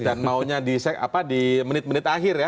dan maunya di menit menit akhir